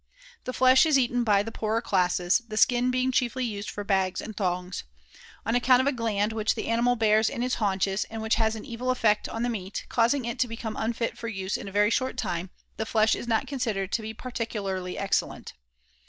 The flesh is eaten by the poorer classes, the skin being chiefly used for bags and thongs. On account of a gland which the animal bears in its haunches and which has an evil effect on the meat, causing it to become unfit for use in a very short time, the flesh is not considered to be particularly excellent.